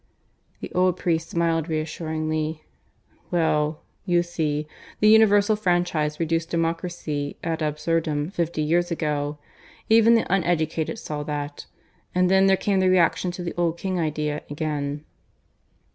The old priest smiled reassuringly. "Well, you see, the universal franchise reduced Democracy ad absurdum fifty years ago. Even the uneducated saw that. And then there came the reaction to the old king idea again."